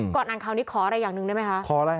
ก่อนอ่านขาวนี้ขออะไรอย่างนึงได้ไหมคะขอเร่ง